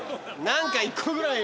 何か１個ぐらい。